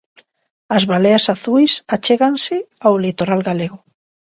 As baleas azuis achéganse ao litoral galego.